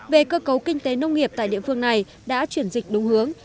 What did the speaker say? về cơ cấu kinh tế nông nghiệp tại địa phương này đã chuyển dịch đúng hướng